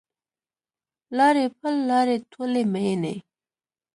لارې پل لارې ټولي میینې